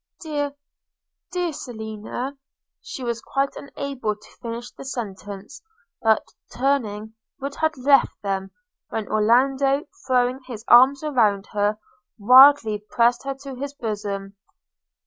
– dear, dear Selina!' She was quite unable to finish the sentence, but, turning, would have left them, when Orlando, throwing his arms round her, wildly pressed her to his bosom.